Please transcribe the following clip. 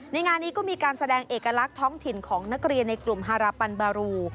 งานนี้ก็มีการแสดงเอกลักษณ์ท้องถิ่นของนักเรียนในกลุ่มฮาราปันบารู